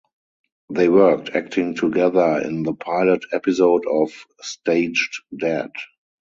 They worked acting together in the pilot episode of "Staged Dad".